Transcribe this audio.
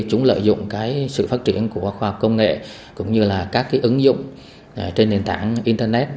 chúng lợi dụng sự phát triển của khoa học công nghệ cũng như là các ứng dụng trên nền tảng internet